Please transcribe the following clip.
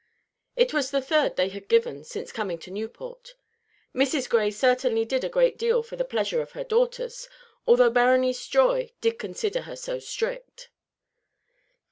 It was the third they had given since coming to Newport. Mrs. Gray certainly did a great deal for the pleasure of her daughters, although Berenice Joy did consider her so "strict."